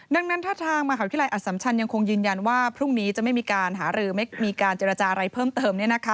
ดังนั้นถ้าทางมหาวิทยาลัยอสัมชันยังคงยืนยันว่าพรุ่งนี้จะไม่มีการหารือไม่มีการเจรจาอะไรเพิ่มเติม